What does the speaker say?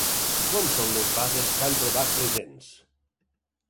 Com són les barres que han trobat presents?